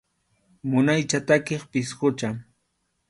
Munaycha takiq pisqucha.